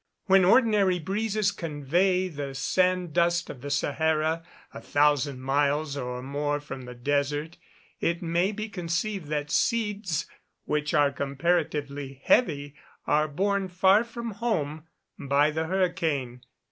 When ordinary breezes convey the sand dust of the Sahara a thousand miles or more from the desert, it may be conceived that seeds, which are comparatively heavy, are borne far from home by the hurricane.